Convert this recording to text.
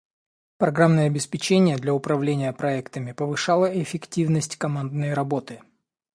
Программное обеспечение для управления проектами повышало эффективность командной работы.